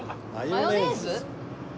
マヨネーズ！